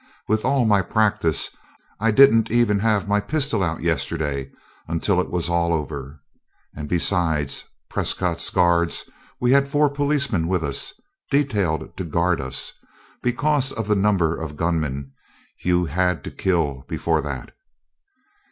With all my practice, I didn't even have my pistol out yesterday until it was all over. And besides Prescott's guards, we had four policemen with us detailed to 'guard' us because of the number of gunmen you had to kill before that!"